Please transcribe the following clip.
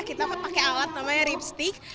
kita pakai alat namanya ripstick